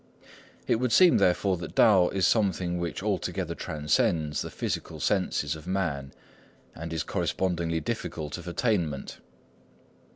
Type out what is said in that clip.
It would seem therefore that Tao is something which altogether transcends the physical senses of man and is correspondingly difficult of attainment.